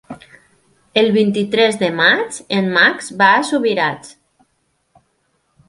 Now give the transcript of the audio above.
El vint-i-tres de maig en Max va a Subirats.